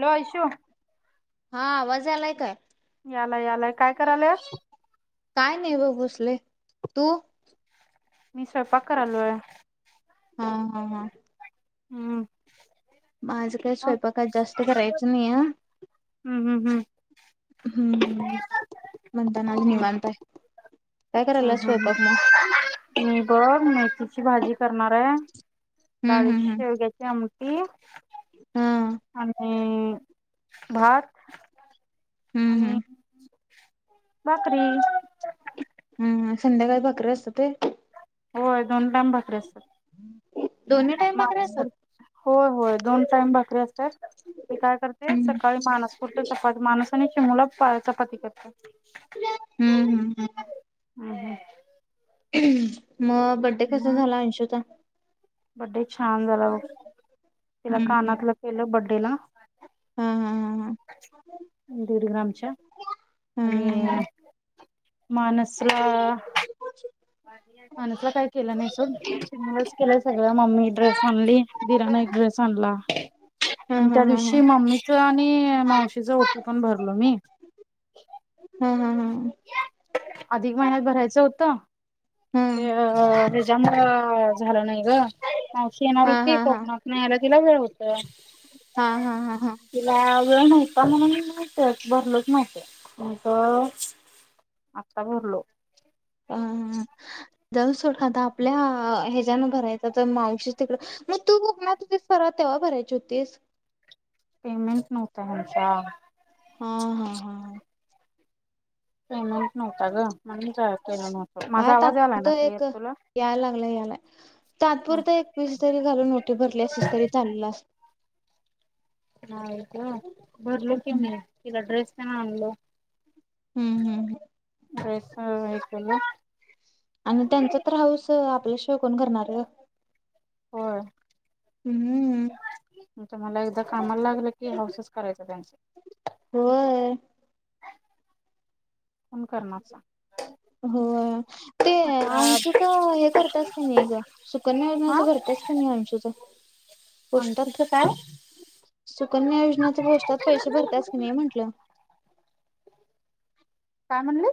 Hello Aishu हा आवाज आलाय काय याला यालाय काय कराला काय नाही बघ बसलोय तू मी स्वयंपाक करालोय हा हा हा हम्म माझं काही हम्म स्वयंपाकात जास्त करायचं नाही ह हम्म हम्म हम्म म्हणताना नि हम्म मानताय काय करायला हम्म हम्म स्वयंपाक मग मी बघ मेथीची भाजी करणार आहे हम्म डाळी हम्म हम्म शेवग्याची आमट हा ह ह अ भात हम्म आणि हम्म भाकरी हम संध्याकाळी भाकरी असत्या होय? होय. दोन- टाइम भाकरी आसत्यात दोन्ही टाईम भाकरी मामाच असतात? पोरगं होय होय दोन टाइम बाकरी अस- मी काय करते हम्म सकाळी मानसपुरत चपाती मानस आणि चिमूला पाळ चपाती करते. हम्म हम्म हम् हं हं हम्म बड्डे छान झाला ब, तिला हम्म हम्म. कानातलं केलं बड्डेला. हा हा हा हा. दीड ग्रामच्या आणि हम्म माणसला माणसला काय केलं नाही सोड, चिमूलाच केलंय सगळ मम्मी ड्रेस आणली. दिराना एक ड्रेस आणला. आणि हम्म त्या हम्म. दिवशी मम्मीच आणि मावशीच ओटी पण भरलो मी. हा हा अधिक महिन्यात भरायचं होतं. ते हेज्याम-. ह झालं नाही ग. मावशी येणार होती हा हा. कोकणातन यायला. तीला वेळ होत. हा हा हा हा. तिला वेळ नव्हता म्हणून मी ते भरलोच नव्हतो. मग आता भरलो. अं जाऊदे सोड आता आपल्या हेज्यान भरायच तर मावशी तिकड, मग तू कोकणात हुतीस परवा तेव्हा भरायची हुतीस. पेमेंट नव्हता हेंच्या. हा हा हा ह. पेमेंट. नव्हता ग म्हणून केलं नव्हतं माझा काय आवाज आलाय तात्पुरत ना क्लिअर एक, तुला याय लागलंय यालाय. तात्पुरत एक पीस तरी घालून ओटी भरली असतीस तरी चाललं असत. हा का भरलो, की हम्म मी तिला ड्रेस. तेन आनलो. हम्म हम्म हम्. हा व्हय केलो. आणि त्यांच तर हौस, आपल्या शिवाय कोण, करणार ग. होय. हम्म. आता मला एकदा कामाला लागलं की, हौसच करायच त्यांच. होय फोन करणार होय. ते सांग. अंशूच हे करत्यास काय नाही ग, सुकन्या हा योजनाच भरत्यास काय नाही अंशूच? पोस्टात. अंशूच काय सुकन्या योजनाच पोस्टात पैसे भरत्यास काय नाही म्हंटलं. [inaudible] काय म्हणले.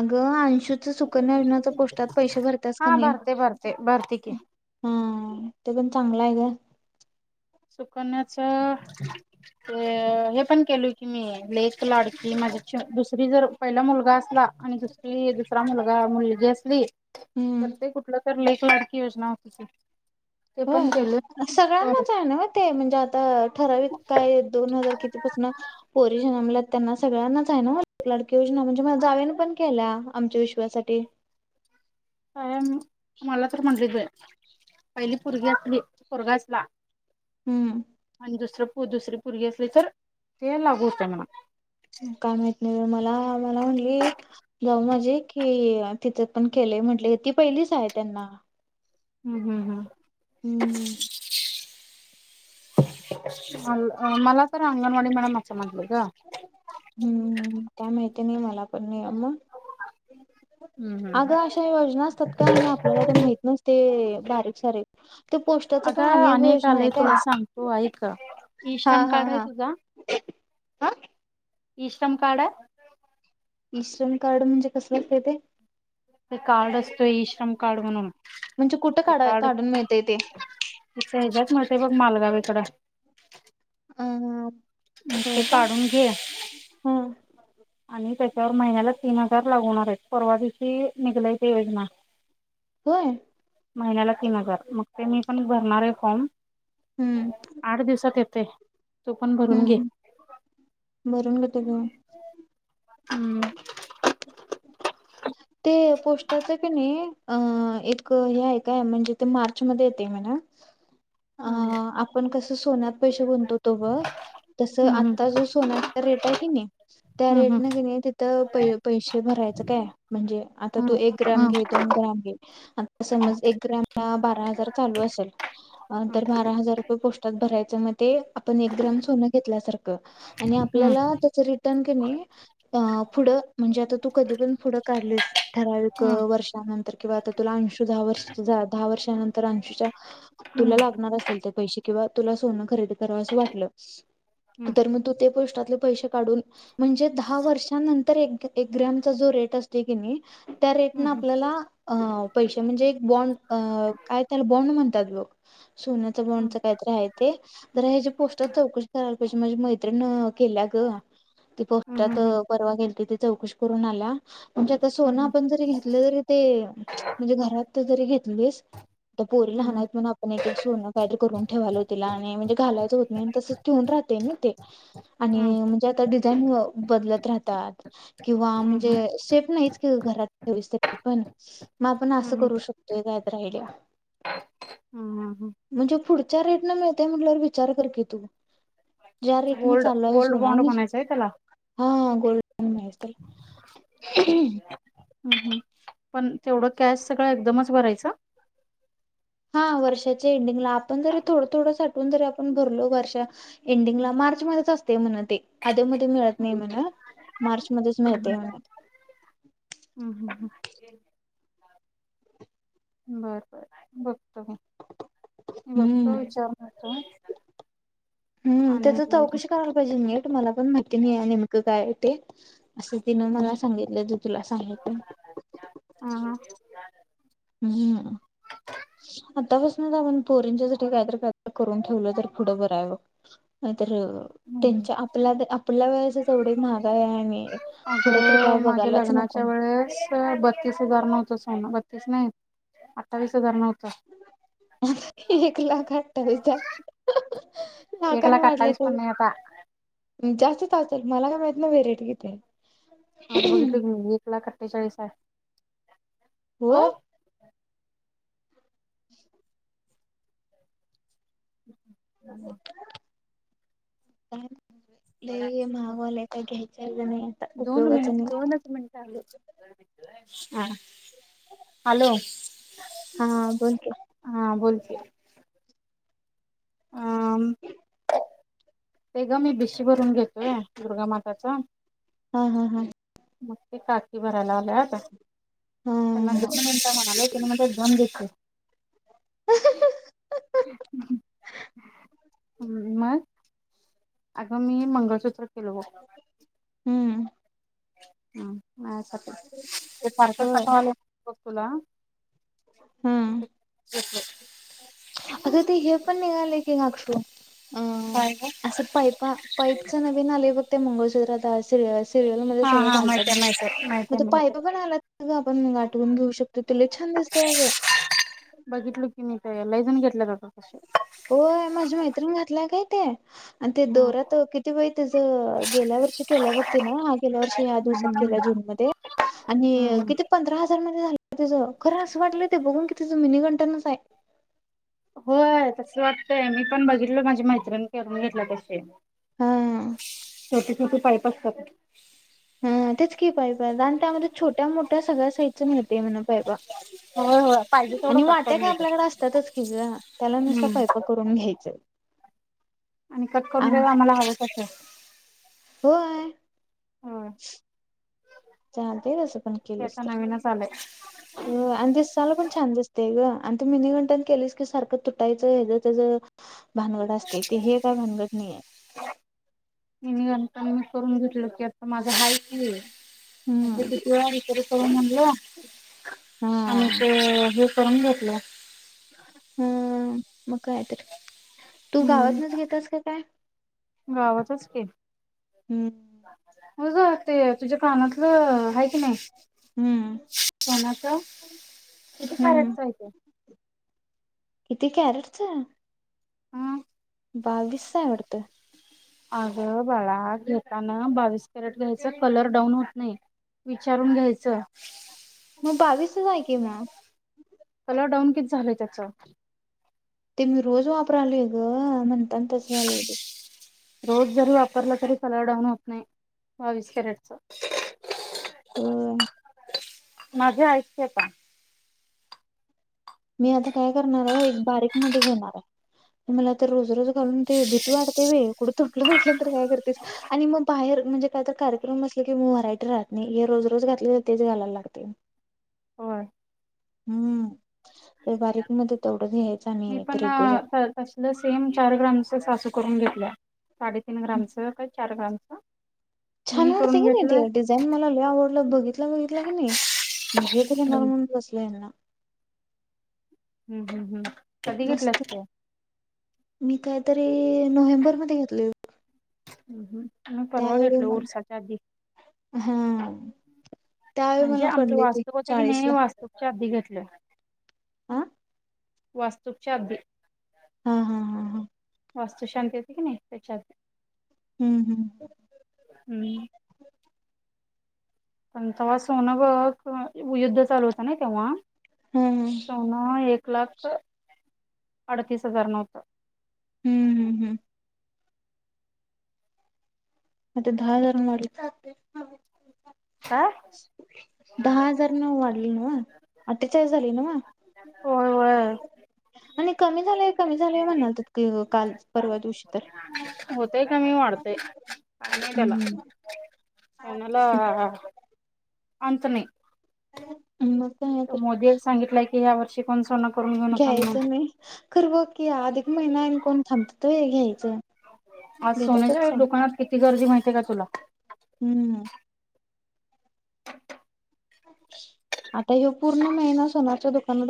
अगं. अनसूच सुकन्या योजनाच पोस्टात पैसें भरत्यास का हा नाही भरते भरते भरते की ह तेपण चागलच. नाय ग. सुकण्याच... ते हे पण केलोय की मी लेख लाडकी माझ्या दुसरी जर पहिला मुलगा असला आणि दुसरी दुसरा मुलगा मुलगी असली. हम्म तर ते कुठला... तर लेक लाडकी योजना हो तुझची.... हो सगळ्यांनाच आहे ना. ते म्हणजे... त ठराविक काय दोन हजार किती पासून पोरी जनमल्या त्यांना सगळ्यांनाच आहे नव्ह लाडकी योजना. म्हणजे माझ्या जावेने पण केल्या आमच्या विश्वासाठी. काय म मलात म्हणलीे बाय. पहिली पुरगी असली पोरगा असला, हम्म. आणि दुसरं पू दुसरी पूरगी असली तर ते लागू होते म्हणा. काय माहित नाही मला मला म्हणली तिथ पण केले म्हटले. ती पहिलीच आहे त्यांना. हं हं हं. [unintelligible] मल मला तर अंगणवाडी म हं, काय माहत ती नाही मला पण. नही अ म. हम्म हम्म हम्म अगं अशा योजना असतात काय आणि आपल्याला ते माहित नसते. बारीक सारीक. ते पोस्टाच अग पण आणि एक अनेक योजना आहे आलेय काय तुला सांगतो ऐक हा इश्रम हा कार्ड आहे तुझा? हा इश्रम कार्ड इश्रम कार्ड म्हणजे कसले असते ते? ते कार्ड असतोय इईश्रम कार्ड म्हणून. म्हणजे कुठं ते काढा कार्ड काढून मिळतय ते हेच्या हिच्यात मिळतंय बघ मालगावे कडे. अ म ते होय का काढून घे. हा आणि त्याच्यावर महिन्याला तीन हजार लागू होणार आहेत. परवा दिशी निघलाय ते योजना. होय महिन्याला तीन हजार मग ते मी पण भरणार आहे फॉर्म. आठ दिवसात येत ते. हं हं, भरून घेतो की मग. हं. ते पोस्टाचं आहे का नाही, अ एक हे आहे काय म्हणजे? ते मार्च मध्ये येतय म्हणा. अ हम्म आपण कसं सोन्यात पैशा तो बघ. तस हम्म आत्ता जो सोन्याचा रेट आहे तो [unintelligible] त्या रेट हम्म न कनी तिथं प पैसे भरायचं काय? म्हणजे आता तू हम्म एक ग्रॅम घे हम्म दोन ग्रॅम घे. आता समज एक ग्रॅम ला बारा हजार चालू असेल अं तर बारा हजार रुपये पोस्टात भरायचं ते आपण एक ग्राम सोनं घेतल्यासारखं आणि हम्म आपल्याला त्याच रिटर्न की नही, अ पुढं, म्हणजे आता तू कधी पण पुढ काढलीस ठराविक वर्षानंतर किंवा आता तुला अशुं दहा वर्षांची दहा वर्षा त्यानंतर अंशुच्या तुला हम्म लागणार असेल तर पैसे किंवा तुला सोनं खरेदी करावसं वाटलं. तर मग तू ते पोस्टातल पैसे काढून म्हणजे दहा वर्षानंतर एकदा एक ग्राम चा जो रेट ते कनी त्या रेटन हम्म आपल्याला पैसे म्हणजे एक बॉन्ड अ काय त्याला बॉन्ड म्हणतात बघ. सोन्याच हम्म बोंडचं काहीतरी आहे ते तर ह्याचे पोस्टर चौकशी कराय मजे माझी मैत्रिण केल्याग ती हम्म हम्म हम्म हम्म हम्म पोस्टात हम्म परवा गेलती चौकशी करून आला. म्हणजे आता सोनं आपण जरी घेतलं तरी ते म्हणजे घरात जरी घेतलीस आ पोरी लहान आहेत. म्हण आपण एक एक सोनं काय तर करून ठेवातील आणि म्हणजे घालायचं होत नाही तसच ठेऊून राहते ना ते आणि म्हणजे आता [unintelligible] बदलत राहतात. किंवा हम्म म्हणजेे नाहीच घरात [unintelligible] पण म आपण असं हम्म करू शकतोय काय तर आयडीया हम्म हम्म म्हणजे पुढ ज्या रेट ना मिळते म्हटल्यावर विचार कर की तू ज्या रेटने गोल्ड चाललाव गोल्ड सोना बॉन्ड म्हणायचंय त्याला हा हा गोल्डन मिळते. ह ह ह पण तेवढं कॅश सगळं एकदमच भरायचं. हा वर्षाच्या एंडिंगला आपण जरी थोडं थोडं साठवून जरी आपण भरलो वर्षा एंडिंगला मार्च मध्येच असते म्हण. ते आध्या मध्ये मिळत नाही म्हण. मार्च मध्येच हम मिळते म्हण हम हम बर बर बघतो. हे हम्म बघतो विचारणारतो. हम त्या तर चौकशी करायला पाहिजे नाही तुम्हाला पण माहिती नाही नेमकं काय ते असं तिनं मला हम्म सांगितलं ज तुला सांगितत. हम्म आतापस ना तर आपण पोरींच्या सा कायत कायत करून ठेवलं तर पुढं बरावं. तर हम्म त्यांच्या आपल्या आपल्या वेळेच तेवढी महागा आहे. आणि पुढे तर काय अगं माझ्या बघायलाच नको. लग्नाच्या हो बत्तीस नाही अठ्ठावीस हजार नव. आ एक लाख आठवी हजार. एक लाखाने लाक आठवीस पण नाय आता जास्त असतेल मला का माहित नाही रेट किती ये आज बघितलं म एक लाख अठ्ठेचाळीस आहे हो होय [unintelligible] [inaudible] [inaudible] लई महागवले काय घ्याय दोन मिन दोनच मिनट आले हा हॅलो हा बोल की हा बोल की अ ते गमी बि ची भरून देतोय दुर्गा मा त्याचा हा हा हा मग ते टाकी भरायला आलोय आता त्यांना हा. दुखनचा म्हणाले त्याला म्हणले जऊन देतो. [unintelligible] हं मग अगं मी मंगळसूत्र केलो हूं [unintelligible] माया साठी ते सारखंच होय कंटाळालं तुला हम्म [unintelligible] अग ते हे पण निघाले की ग अक्षु अ काय ग असं पाईपा पाईपच नवीन आलय बघ ते मंगलसूत्र आता तिल सिरियल मध्ये हा सगळ हा घालतात माहिती आहे बघ माहिती आहे म माहिती आहे ते माहिती पायप पण आहे आलात आपण गाठवून घेऊ शकतो ते छान दिस बघितलं की नाही. ते लय जण घेतल बघ होय माझ्या मैत्रिण घातलाय काय ते आणि ते हम्म दोऱत किती वेळ त्याच गेल्या वर्षी केलं बघ तीन हा गेल्या वर्षी या दिवसात हम्म हम्म केला जून मध्ये आणि हम्म किती पंधरा हजार मध्ये झाल तिचं खरं असं वाटलं ते बघून की तिचं मिनी घंटनच आहे. होय तस वाटतय मी पण बघितलं माझी मैत्रिणी करून घेतलं तसे हा छोटी छोटी पाईप असतात हा तेच की पाहि पाहिज आणि त्यामध्ये छोट्या मोठ्या सगळ्या साच ते म्ह पाप होय होय पाहिजे तेवढं आणि कट वाट्या करून काय देतात आपल्याकडे असतातच कि त्याला नुसत हम्म पाइपा करून घ्यायचं आणि कट करून देऊ आम्हाला हवं तसं होय होय चालतय ते आता नवीनच आलय अज साला पण छान असतेय ग आणि त म मिन घंटन केलीस की सारखं तुटायचं ह ज त्याच भानगड असते ते हे काय भानगड नाही आहे मिनी गंठण करून घेतलं की आता माझं हाय की मता हम्म. ततीतर सळ मंदलं आणि हा ते करून घेतलं [inaudible] हम्म मग काय तू हम्म गावातनच घेतस का काय क ह होय ग ते तुझ्या कानातलं हाय की नाही हम्म कोणाच किती हम्म कॅरेटच हाय ते किती कॅरेटच हम बावीसच हाय वाटत अगं बाळा घेताना बावीस कॅरेट घ्यायचं कलर डाऊन होत नाही विचारून घ्यायचं. मग बावीसच आहे की मग. कलर डाऊन कि झालंय त्याच. ते मी रोज वापराले आहे गं म्हणून - म्हणून तस झालं आहे बग - रोज जरी वापरला तरी कलर डाहून होत नाही बावीस कॅरेटच - होय माझ्या ऐक की आता - मी आता काय करणार आहे एक बारीक मध्ये घेणार आहे मला तर रोज - रोज घालून ते भीती वाटते ते बाई कुट तुटलं बीटल तर काय करतेस आणि मग बाहेर म्हणजे काय तर कार्यक्रम असले की मग व्हरायटी राहत नाही हे रोज रोज घातले तर तेच घालायला लागते मग होय हम्मं - मी आणि ते पण रेग्युलर तसल सेम चार ग्रामच सासूच - करून घेतल्या. साडेतीन ग्रामचं काय चार ग्राम - छान वाटते की नाही ते डिझाईन मला आवडलं बघितल्या बघितल्या कणी मी हेच घेणार हम्म बसलो यांना... हम्मं हम्मं हम्मं... कधी घेतलं मस्त कि गं... मी काहीतरी नोव्हेंबर मध्ये घेतले होय.... हम्म -हम्म मी परवा घेतलो उरसाच्या आधी... हां.. म्हणजे आमचं वास्तूक. होत की ने वास्तूकच्या आधी घेत... कुठल्या... आा.. वास्तूकच्या आधी... हां हां हां हां... वास्तु शांती होती की नाही त्याच्यात आधी.. हम्मं -हम्मं... हम्म. पण तवा सोनं बग युद्ध चालू होतं नाही तेव्हा.... हा हा सोन एक - एक लाख अडतीस हजार न होत. हम्मं हम्मं हम्मं मग ते दहा हजार म्हानालीत काय दहा हजार न वाढले नव अठ्ठेचाळीस झालय नव होय होय आणि कमी झालेय कमी झालेय म्हणालतीत काल परवा दिवशी तर.... आणि निघाला. हम्म पावण्याला - अंंत नाही - [unintelligible] हम्मं मस्त आहे खर... सांगितलंय की या वर्षी कोन सोन घाल. घ्यायचं नाही कर ब की अधिक महिना कोण थांबत? आज घेतातच. सोन्याच्या दुकानात किती गर्दी माहिती आहे का तुला हम्म [unintelligible] आता ह पूर्ण महिना सनाच..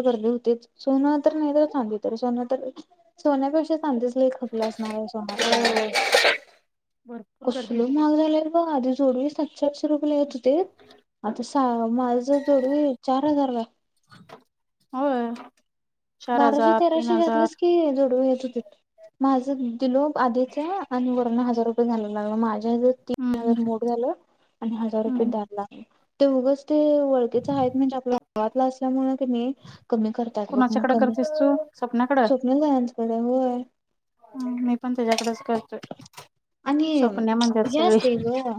गदी होतेच सोनं तर नाही तर चांदी तर सोनं तर सोन्या पेक्षा... खपलं असणार सोनार त्या भरपूर गर्दी कसल होती माग झाला ग आधी जोडवीस... सरूप येत होते आता माझं जोडवी चार हजार होय चार बाराशे हजार तीन तेराशे हजार घातलेस की जोडू येत माझ दिलो आधीच आणि वर हजार रुपये जायला लागल मा तीन हजार हम्म मोड झालं आणि हजार रुपये हम्म ला ते मगच ते वओळखेच आहेत म्हणजे आपल्या गावातला असल्यामुळे क कमी करतात लोक मग कुणाच्याकडे कमी करतेस तू स्वप्न का यांचकडे होय हम मी पण त्याच्याकडेच करतोय आणि स्वप्न्या म्हणतात हे सगळी असते ग